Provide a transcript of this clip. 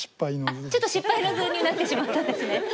ちょっと失敗の図になってしまったんですね。